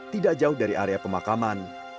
tidak jauh dari area pemakaman